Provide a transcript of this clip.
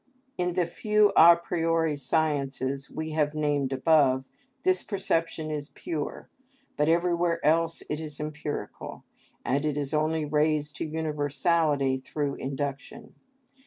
In the few a priori sciences we have named above, this perception is pure, but everywhere else it is empirical, and is only raised to universality through induction.